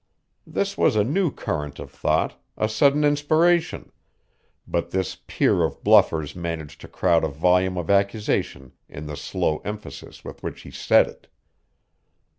This was a new current of thought a sudden inspiration but this peer of bluffers managed to crowd a volume of accusation in the slow emphasis with which he said it.